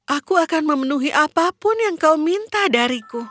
aku akan memenuhi apapun yang kau minta dariku